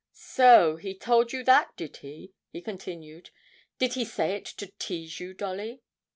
'So he told you that, did he?' he continued; 'did he say it to tease you, Dolly?'